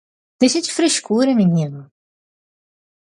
Deixa de frescura menino